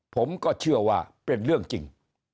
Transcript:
ผมก็เชื่อว่าเป็นเรื่องจริง